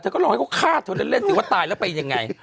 ก็รอให้เขาฆ่าเธอเล่นสิว่าตายแล้วไปยังไง